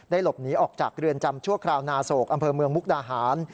หลบหนีออกจากเรือนจำชั่วคราวนาโศกอำเภอเมืองมุกดาหาร